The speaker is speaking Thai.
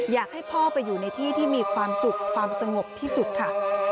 อยากให้พ่อไปอยู่ในที่ที่มีความสุขความสงบที่สุดค่ะ